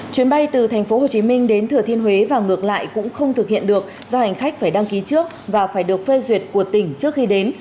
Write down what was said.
chuyến bay từ tp hcm đến thừa thiên huế và ngược lại cũng không thực hiện được do hành khách phải đăng ký trước và phải được phê duyệt của tỉnh trước khi đến